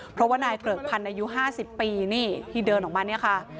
เพราะว่านายเกริกพันธ์อายุ๕๐ปีนี่ที่เดินออกมาเนี่ยค่ะ